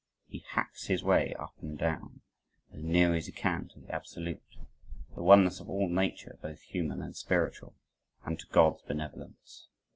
He hacks his way up and down, as near as he can to the absolute, the oneness of all nature both human and spiritual, and to God's benevolence.